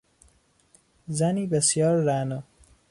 زنی بسیار رعنا